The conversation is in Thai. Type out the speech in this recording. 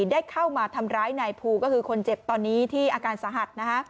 ได้เข้ามาทำร้ายนายภูก็คือคนเจ็บตอนนี้ที่อาการสาหัส